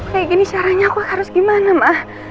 kayak gini caranya aku harus gimana mah